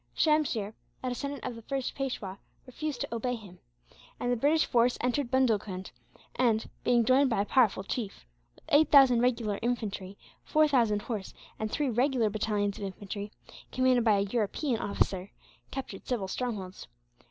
Shamsheer, a descendant of the first Peishwa, refused to obey him; and the British force entered Bundelcund and, being joined by a powerful chief with eight thousand irregular infantry, four thousand horse, and three regular battalions of infantry, commanded by a European officer captured several strongholds.